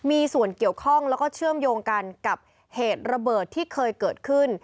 มีส่วนเกี่ยวข้องแล้วก็เชื่อมโยงกันกับเหตุระเบิดที่เคยเกิดขึ้น